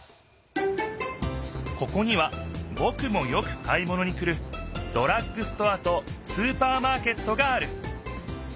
ここにはぼくもよく買いものに来るドラッグストアとスーパーマーケットがある。